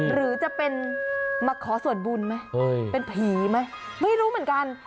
หรือจะเป็นมาขอส่วนบุญไหมเป็นผีไหมไม่รู้เหมือนกัน